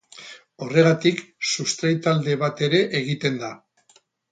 Horregatik sustrai talde bat ere egiten da.